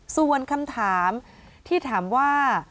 ส่วนคำถามที่ถามว่า